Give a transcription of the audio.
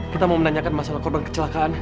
kita mau menanyakan masalah korban kecelakaan